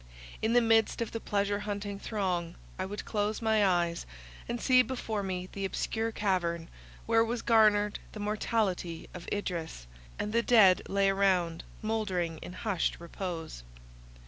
In the midst of the pleasure hunting throng, I would close my eyes, and see before me the obscure cavern, where was garnered the mortality of Idris, and the dead lay around, mouldering in hushed repose.